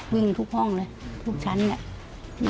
วิ่งทุกห้องเลยทุกชั้นเนี่ย